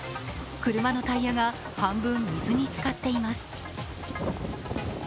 車のタイヤが半分水につかっています。